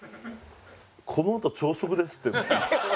このあと朝食ですって。